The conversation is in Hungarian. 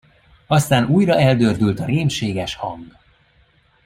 Aztán újra eldördült a rémséges hang.